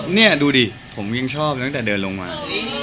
นี่ดูดิผมยังชอบตั้งแต่เดินลงมา